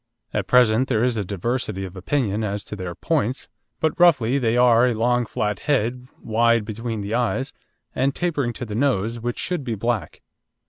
At present there is a diversity of opinion as to their points, but roughly they are a long flat head, wide between the eyes and tapering to the nose, which should be black.